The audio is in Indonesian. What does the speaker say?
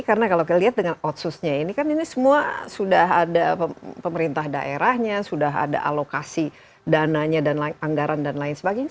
karena kalau kita lihat dengan otsus nya ini kan ini semua sudah ada pemerintah daerahnya sudah ada alokasi dananya dan anggaran dan lain sebagainya